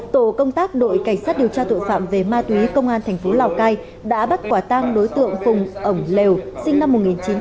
tổ công tác đội cảnh sát điều tra tội phạm về ma túy công an thành phố lào cai đã bắt quả tang đối tượng phùng lều sinh năm một nghìn chín trăm tám mươi